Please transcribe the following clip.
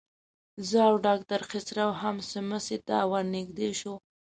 زه او ډاکټر خسرو هم سموڅې ته ورنږدې شو.